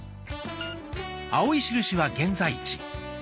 青い印は現在地。